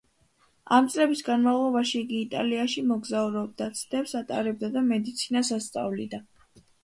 ამ წლების განმავლობაში იგი იტალიაში მოგზაურობდა, ცდებს ატარებდა და მედიცინას ასწავლიდა.